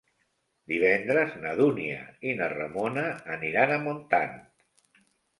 Divendres na Dúnia i na Ramona aniran a Montant.